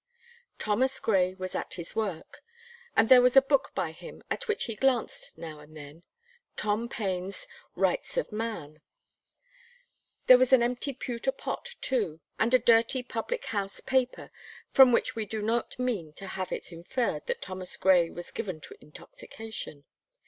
Thomas Gray was at his work, and there was a book by him at which he glanced now and then, Tom Paine's "Rights of Man." There was an empty pewter pot too, and a dirty public house paper, from which we do not mean to have it inferred that Thomas Gray was given to intoxication.